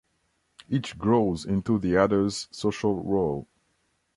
Each grows into the other's social role.